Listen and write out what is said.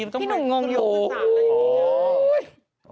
พี่หนุ่มงงโยบกันสากได้อย่างนี้